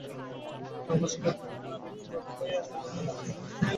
রমেশ খাইতে খাইতে লুচির আদিকারণ সম্বন্ধে যত রাজ্যের অসম্ভব কল্পনা দ্বারা কমলাকে রাগাইয়া তুলিল।